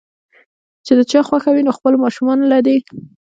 چې د چا خوښه وي نو خپلو ماشومانو له دې